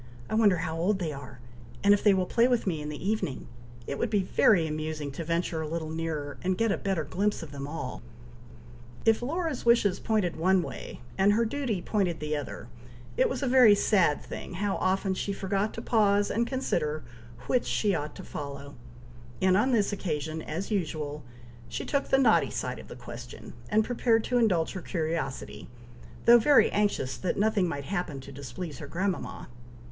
I wonder how old they are, and if they will play with me in the evening! It would be very amusing to venture a little nearer, and get a better glimpse of them all!" If Laura's wishes pointed one way and her duty pointed the other, it was a very sad thing how often she forgot to pause and consider which she ought to follow; and on this occasion, as usual, she took the naughty side of the question, and prepared to indulge her curiosity, though very anxious that nothing might happen to displease her grandmama.